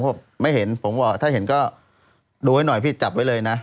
ผมไม่เห็นผมบอกถ้าเห็นก็ดูให้หน่อยพี่จับไว้เลยนะ